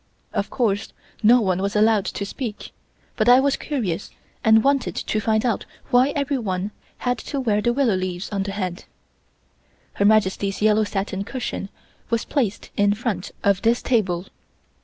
Of course no one was allowed to speak, but I was curious and wanted to find out why everyone had to wear the willow leaves on the head. Her Majesty's yellow satin cushion was placed in front of this table.